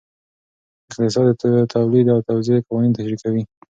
اقتصاد د تولید او توزیع قوانین تشریح کوي.